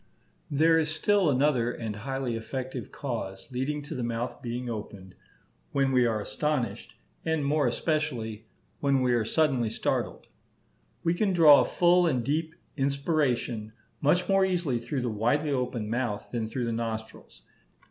There is still another and highly effective cause, leading to the mouth being opened, when we are astonished, and more especially when we are suddenly startled. We can draw a full and deep inspiration much more easily through the widely open mouth than through the nostrils.